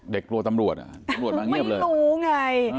เด็กโปรตำรวจอะตำรวจมาเงียบเลยไม่รู้ไง